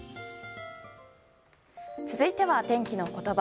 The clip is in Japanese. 続いては、天気のことば。